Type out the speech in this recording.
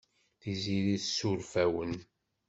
Tiziri tessuref-awen.